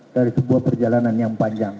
dari sebuah perjalanan yang panjang